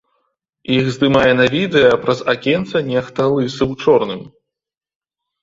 Іх здымае на відэа праз акенца нехта лысы ў чорным.